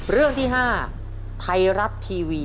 เรื่องที่๕ไทยรัฐทีวี